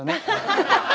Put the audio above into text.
アハハハハ！